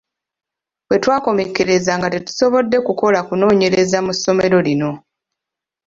Bwetwakomekkereza nga tetusobodde kukola kunoonyereza mu ssomero lino.